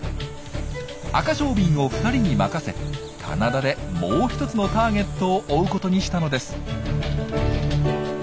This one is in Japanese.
アカショウビンを２人に任せ棚田でもう一つのターゲットを追うことにしたのです。